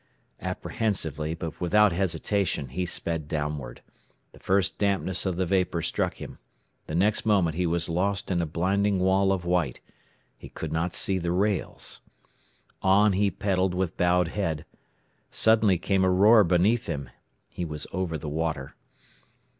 Apprehensively, but without hesitation, he sped downward. The first dampness of the vapor struck him. The next moment he was lost in a blinding wall of white. He could not see the rails. On he pedalled with bowed head. Suddenly came a roar beneath him. He was over the water.